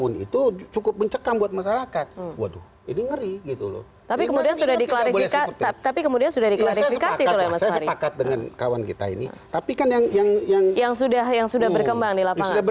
udah cukup mencekam buat masyarakat wadah ngeri gitu loh tapi ini sudah diklarifikasi